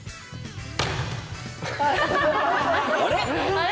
あれ？